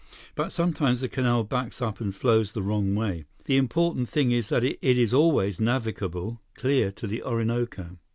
But sometimes the canal backs up and flows the wrong way. The important thing is that it is always navigable, clear to the Orinoco."